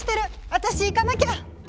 私行かなきゃ！